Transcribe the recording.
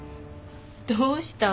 どうした？